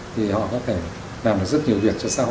thì họ có thể làm được rất nhiều việc cho xã hội